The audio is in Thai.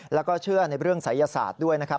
แล้วก็เชื่อในเรื่องศัยศาสตร์ด้วยนะครับ